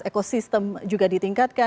ekosistem juga ditingkatkan